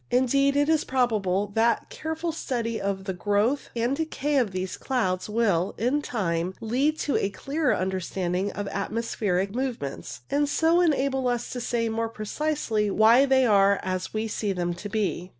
Indeed, it is probable that careful study of the growth and decay of these clouds will, in time, lead to a clearer 36 CIRRUS understanding of atmospheric movements, and so enable us to say more precisely why they are as we see them to be.